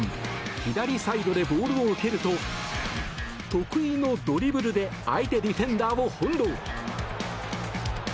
左サイドでボールを受けると得意のドリブルで相手ディフェンダーを翻弄。